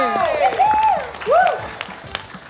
อืม